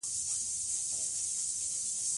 ازادي راډیو د بانکي نظام په اړه څېړنیزې لیکنې چاپ کړي.